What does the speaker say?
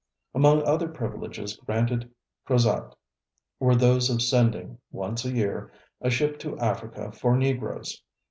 Among other privileges granted Crozat were those of sending, once a year, a ship to Africa for Negroes.